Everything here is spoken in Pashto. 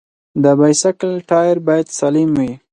د بایسکل ټایر باید سالم وي.